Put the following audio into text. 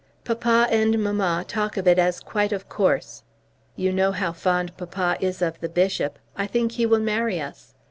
Papa and mamma talk of it as quite of course. You know how fond papa is of the bishop. I think he will marry us.